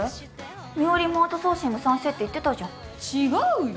美織もアウトソーシング賛成って言ってたじゃん違うよ